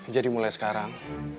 jadi mulai sekarang